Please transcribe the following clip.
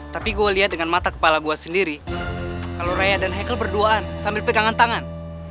tapi gue lihat dengan mata kepala gue sendiri kalau raya dan hackle berduaan sambil pegangan tangan